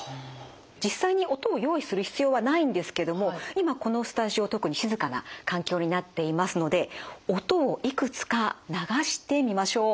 実際に音を用意する必要はないんですけども今このスタジオ特に静かな環境になっていますので音をいくつか流してみましょう。